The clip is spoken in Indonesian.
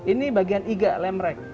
ini bagian iga lemrek